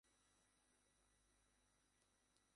উত্তেজনায় আমি রাতে ঘুমুতে পারলাম না।